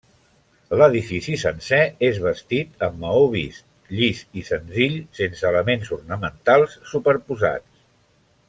L'edifici sencer és vestit amb maó vist, llis i senzill, sense elements ornamentals superposats.